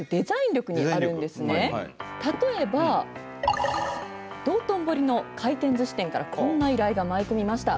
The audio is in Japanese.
例えば道頓堀の回転ずし店からこんな依頼が舞い込みました。